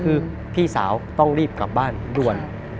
คือพี่สาวต้องรีบกลับบ้านด่วน